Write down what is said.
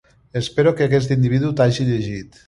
Espero que aquest individu t´hagi llegit.